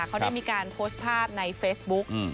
เขาได้มีการโพสต์ภาพในเฟซบุ๊ก